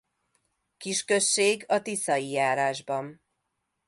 Kisközség a tiszai járásban.